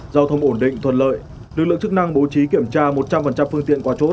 giao thông ổn định thuận lợi lực lượng chức năng bố trí kiểm tra một trăm linh phương tiện qua chốt